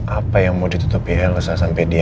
apa yang mau ditutupi lsm sampai dia